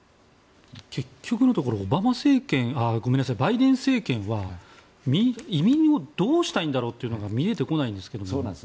結局のところバイデン政権は移民をどうしたいんだろうというのが見えてこないんですけど。